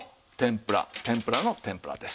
天ぷらの天ぷらです。